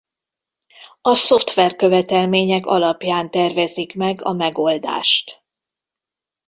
A szoftver követelmények alapján tervezik meg a megoldást.